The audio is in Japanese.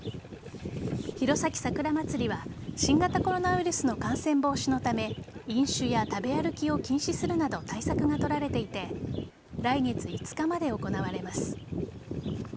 弘前さくらまつりは新型コロナウイルスの感染防止のため飲酒や食べ歩きを禁止するなど対策が取られていて来月５日まで行われます。